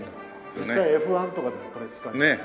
実際Ｆ１とかでもこれ使います。